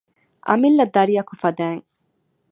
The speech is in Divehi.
އަމިއްލަ ދަރިއަކު ފަދައިން